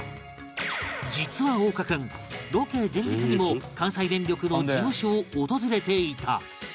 実は央果君ロケ前日にも関西電力の事務所を訪れていた